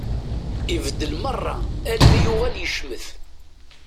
Ibeddel merra almi yuɣal yecmet.